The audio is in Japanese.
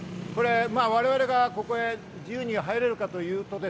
我々がここ自由に入れるかというと。